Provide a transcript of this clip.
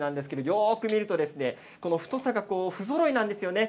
よく見ると太さが不ぞろいなんですよね。